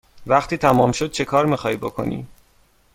وقتی تمام شد چکار می خواهی بکنی؟